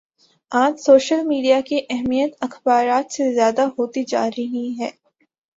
آج social media کی اہمیت اخبارات سے زیادہ ہوتی جا رہی ہے